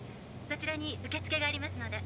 そちらに受付がありますので」。